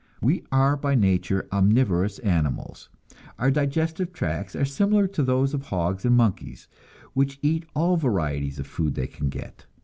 We are by nature omnivorous animals. Our digestive tracts are similar to those of hogs and monkeys, which eat all varieties of food they can get.